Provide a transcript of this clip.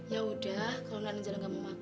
yaudah kalau non angela nggak mau makan